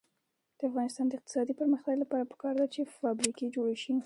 د افغانستان د اقتصادي پرمختګ لپاره پکار ده چې فابریکې جوړې شي.